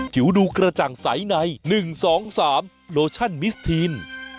ผิวดูกระจ่างใสในหนึ่งสองสามโลชั่นมิสทีน